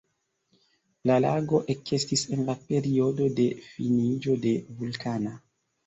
La lago ekestis en la periodo de finiĝo de vulkana.